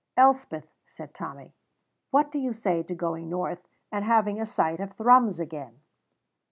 "Elspeth," said Tommy, "what do you say to going north and having a sight of Thrums again?"